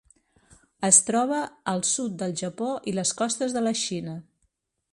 Es troba al sud del Japó i les costes de la Xina.